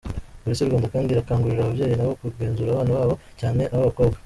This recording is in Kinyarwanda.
Polisi y’u Rwanda kandi, irakangurira ababyeyi nabo kugenzura abana babo, cyane ab’abakobwa.